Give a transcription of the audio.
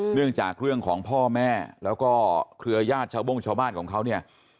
เรื่องของพ่อแม่แล้วก็เครือญาติชาวโบ้งชาวบ้านของเขาเนี่ย